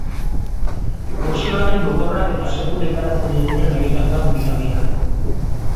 Boxeolari gogorrak eta sekula ikaratzen ez diren horietakoak dira biak.